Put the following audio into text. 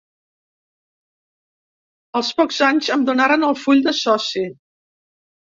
Als pocs anys em donaren el full de soci.